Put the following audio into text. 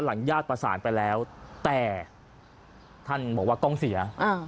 ญาติประสานไปแล้วแต่ท่านบอกว่ากล้องเสีย